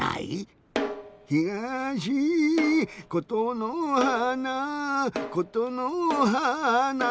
ひがしことのはーなことのはーな。